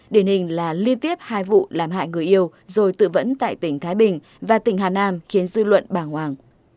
điển hình là liên tiếp hai vụ làm hại người yêu rồi tự vẫn tại tỉnh thái bình và tỉnh hà nam khiến dư luận bàng hoàng